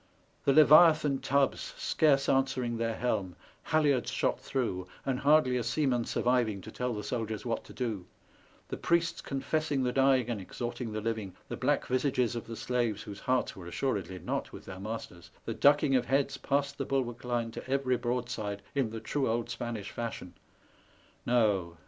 The leviathan tubs scarce answering their helm, halliards shot through, and hardly a seaman surviving to tell the soldiers what to do; the priests confessing the dying and exhorting the living, the black visages of the slaves whose hearts were assuredly not with their masters, the ducking of heads past the bulwark line to every broadside in the true old Spanish fashion — no!